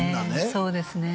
そうですね